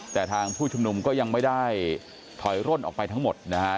แต่ทางผู้ชุมนุมก็ยังไม่ได้ถอยร่นออกไปทั้งหมดนะฮะ